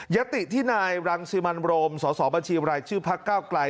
ยติที่นายรังสิมันโรมสสบัญชีรายชื่อพักเก้าไกล